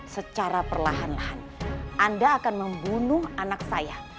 secara perlahan lahan anda akan membunuh anak saya